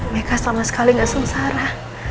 mereka sama sekali gak sengsara